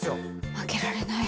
負けられない。